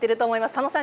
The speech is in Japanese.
佐野さん